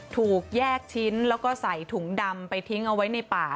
ถูกแยกชิ้นแล้วก็ใส่ถุงดำไปทิ้งเอาไว้ในป่า